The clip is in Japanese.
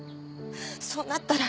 そうなったら。